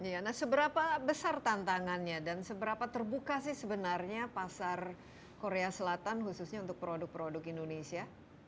nah seberapa besar tantangannya dan seberapa terbuka sih sebenarnya pasar korea selatan khususnya untuk produk produk indonesia